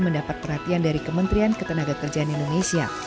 mendapat perhatian dari kementerian ketenagakerjaan indonesia